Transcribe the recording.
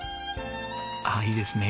ああいいですね。